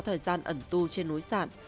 thời gian ẩn tu trên núi sản